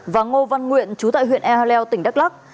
và ngô văn nguyện trú tại huyện e leo tỉnh đắk lắc